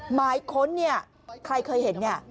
หมายค้นเนี่ยใครเคยเห็นเนี่ย